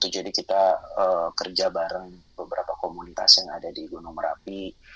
jadi kita kerja bareng beberapa komunitas yang ada di gunung merapi